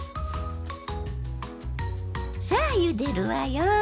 さあゆでるわよ。